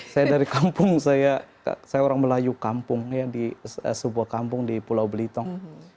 saya dari kampung saya orang melayu kampung di sebuah kampung di pulau belitung